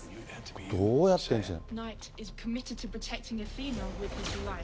どうやってるんでしょう。